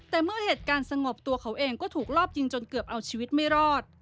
แต่เมื่อเหตุการณ์สงบตัวเขาเองก็ถูกรอบยิงจนเกือบเอาชีวิตไม่รอด